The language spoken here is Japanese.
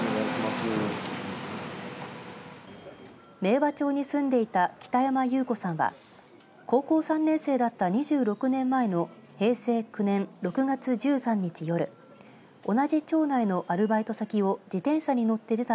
明和町に住んでいた北山結子さんは高校３年生だった２６年前の平成９年６月１３日夜同じ町内のアルバイト先を自転車に乗って出た